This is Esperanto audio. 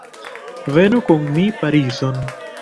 Venu kun mi Parizon.